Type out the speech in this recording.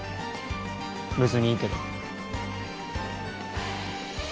別にいいけど。